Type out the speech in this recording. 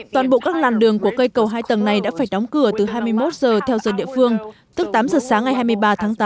toàn bộ các làn đường của cây cầu hai tầng này đã phải đóng cửa từ hai mươi một giờ theo giờ địa phương tức tám giờ sáng ngày hai mươi ba tháng tám